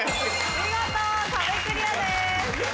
見事壁クリアです。